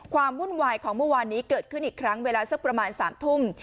วุ่นวายของเมื่อวานนี้เกิดขึ้นอีกครั้งเวลาสักประมาณ๓ทุ่ม